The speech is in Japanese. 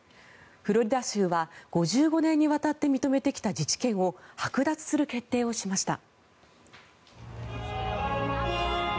フロリダ州は５５年にわたって認めてきた自治権をはく奪する決定をしました。